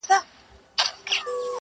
ته چي را سره یې له انار سره مي نه لګي!!